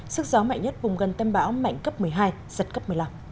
sức gió mạnh nhất vùng gần tâm bão mạnh cấp một mươi hai giật cấp một mươi năm